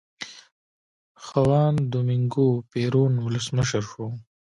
خوان دومینګو پېرون ولسمشر شو.